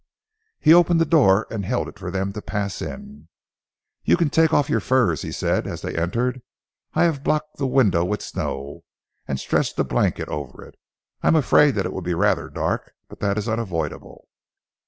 He opened the door and held it for them to pass in. "You can take off your furs," he said, as they entered. "I have blocked the window with snow, and stretched a blanket over it. I am afraid that it will be rather dark, but that is unavoidable."